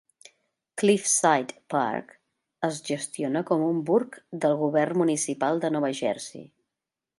Cliffside Park es gestiona com un burg del govern municipal de Nova Jersey.